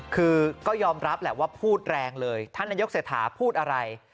คือก็ยอมรับแหละว่าพูดแรงเลยท่านนายกเศรษฐาพูดอะไร